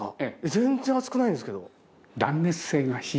全然熱くないんですけど。